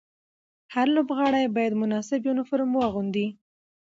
هر لوبغاړی باید مناسب یونیفورم واغوندي.